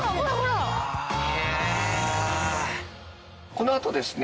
このあとですね